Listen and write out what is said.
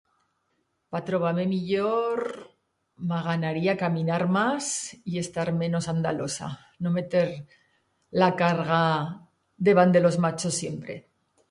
Pa trobar-me millor, m'aganaría caminar más y estar menos andalosa, no meter la carga debant de los machos siempre.